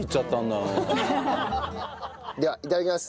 ではいただきます。